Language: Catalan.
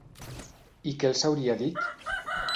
I què els hauria dit?